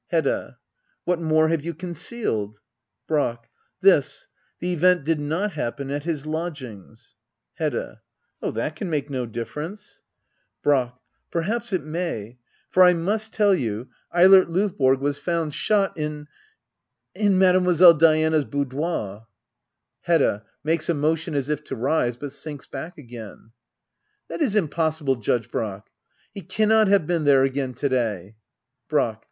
Hedda. What more have you concealed ? Brack. This — the event did not happen at his lodgings. Hedda. Oh, that can make no difference. Brack. Perhaps it may. For I must tell you — Eilert Digitized by Google 176 HEDDA OABLER. [aCT IV. Lovborg was found shot in — in Mademoiselle Diana's boudoir. Hedda. [Makes a motion as if to rise, but sinks back again,] That is impossible. Judge Brack! He cannot have been there again to day. Brack.